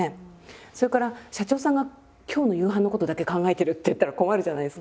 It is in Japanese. それから社長さんが「今日の夕飯のことだけ考えてる」って言ったら困るじゃないですか。